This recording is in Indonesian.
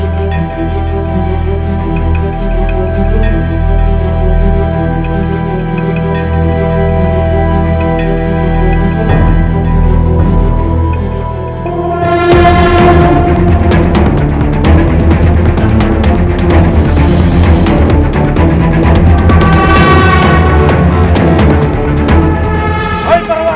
hai para warga